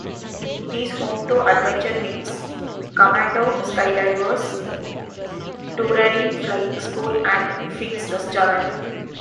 It is home to Adventure Wings, Commando Skydivers, Tooradin Flying School and Fins Restaurant.